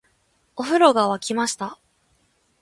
お風呂が湧きました